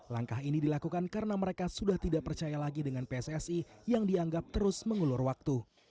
langkah ini dilakukan karena mereka sudah tidak percaya lagi dengan pssi yang dianggap terus mengulur waktu